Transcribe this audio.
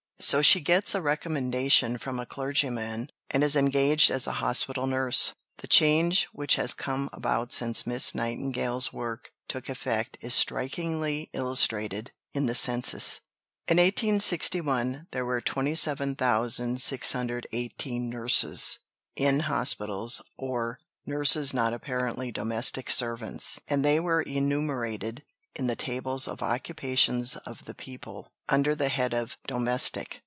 So she gets a recommendation from a clergyman, and is engaged as a Hospital Nurse." The change which has come about since Miss Nightingale's work took effect is strikingly illustrated in the Census. In 1861 there were 27,618 nurses "in hospitals, or nurses not apparently domestic servants," and they were enumerated, in the tables of Occupations of the People, under the head of "Domestic."